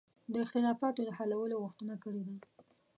د اختلافاتو د حلولو غوښتنه کړې ده.